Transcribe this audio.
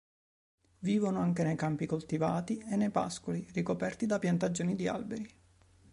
Vivono anche nei campi coltivati e nei pascoli ricoperti da piantagioni di alberi.